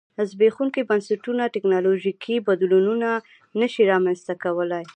زبېښونکي بنسټونه ټکنالوژیکي بدلونونه نه شي رامنځته کولای